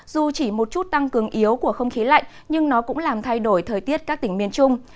dù chỉ một chút tăng cường yếu của không khí lạnh nhưng nó cũng làm thay đổi thời tiết các tỉnh miền trung